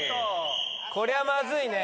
こりゃまずいね。